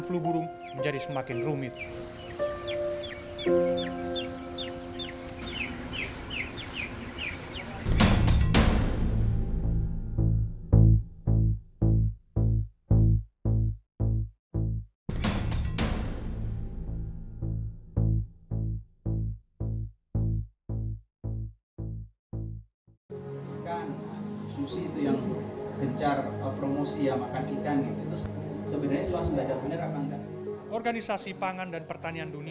flow burung menjadi semakin rumit